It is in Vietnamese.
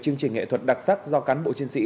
chương trình nghệ thuật đặc sắc do cán bộ chiến sĩ